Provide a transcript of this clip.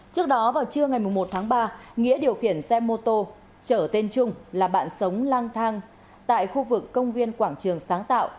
trước đó vào trưa ngày một tháng ba nghĩa điều khiển xe mô tô trở tên trung là bạn sống lang thang tại khu vực công viên quảng trường sáng tạo